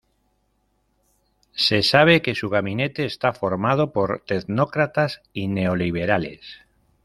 Se sabe que su gabinete está formado por tecnócratas y neoliberales.